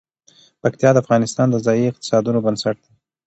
پکتیا د افغانستان د ځایي اقتصادونو بنسټ دی.